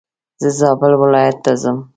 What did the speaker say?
زه زابل ولايت ته ځم.